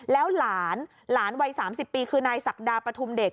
แล้วหลานหลานวัย๓๐ปีคือนายศักดาปฐุมเด็ก